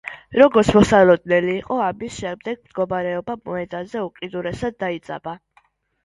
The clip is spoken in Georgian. როგორც მოსალოდნელი იყო, ამის შემდეგ მდგომარეობა მოედანზე უკიდურესად დაიძაბა.